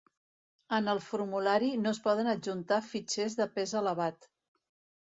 En el formulari no es poden adjuntar fitxers de pes elevat.